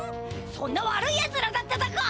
そんな悪いやつらだっただか！